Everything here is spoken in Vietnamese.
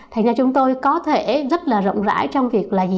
thành ra chúng tôi có thể rất là rộng rãi trong việc là gì